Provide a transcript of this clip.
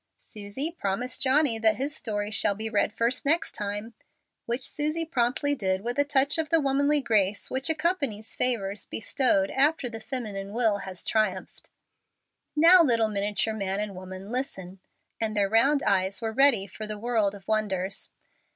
"Susie, promise Johnny that his story shall be read first next time;" which Susie promptly did with a touch of the womanly grace which accompanies favors bestowed after the feminine will has triumphed. "Now, little miniature man and woman, listen!" and their round eyes were ready for the world of wonders.